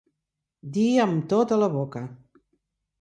Dir amb tota la boca.